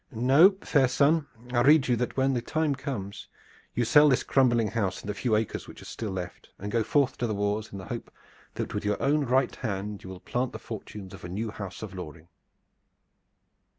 No, fair son, I rede you that when the time comes you sell this crumbling house and the few acres which are still left, and so go forth to the wars in the hope that with your own right hand you will plant the fortunes of a new house of Loring."